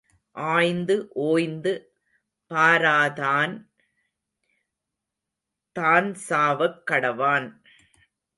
ஆய்ந்து ஓய்ந்து பாராதான் தான் சாவக் கடவான்.